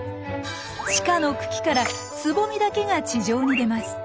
地下の茎からつぼみだけが地上に出ます。